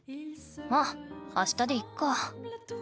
まあ明日でいっか。